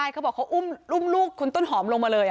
เขาบอกเขาอุ้มลูกคุณต้นหอมลงมาเลย